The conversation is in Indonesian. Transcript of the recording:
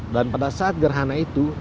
dan pada saat gerhana itu